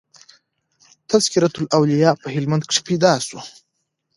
"تذکرةالاولیاء" په هلمند کښي پيدا سو.